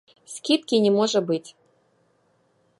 Скідкі не можа быць.